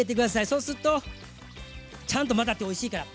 そうするとちゃんと混ざっておいしいから。